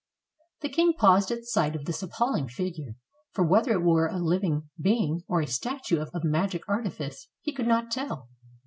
The king paused at sight of this appalling figure, for whether it were a living being, or a statue of magic arti fice, he could not tell.